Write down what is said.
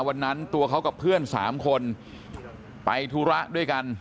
วันนั้นตัวเขากับเพื่อน๓คนไปธุระด้วยกัน